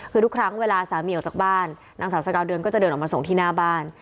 คือทุกครั้งเวลาสามีออกจากบ้านนางสาวสกาวเดือนก็จะเดินออกมาส่งที่หน้าบ้าน